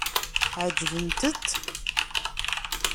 Ɛeǧbent-t?